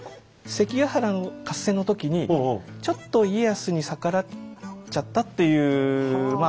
関ヶ原の合戦の時にちょっと家康に逆らっちゃったっていうまあ